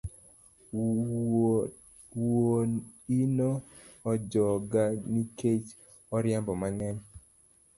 Wuoino ojogaa ni kech oriambo mangeny